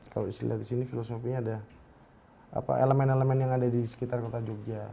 kalau istilah di sini filosofinya ada elemen elemen yang ada di sekitar kota jogja